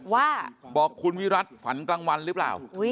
ว่าบอกคุณวิรัติฝันกลางวันหรือเปล่า